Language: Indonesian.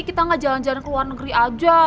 kita nggak jalan jalan ke luar negeri aja